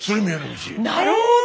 なるほど！